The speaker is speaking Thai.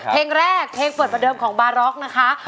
เพลงแรกเพลงเปิดประเดิมของบาร็อกนะคะ